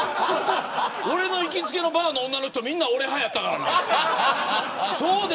俺の行きつけのバーの女の人みんな俺派やったからな。